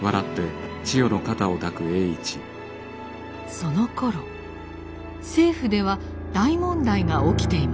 そのころ政府では大問題が起きていました。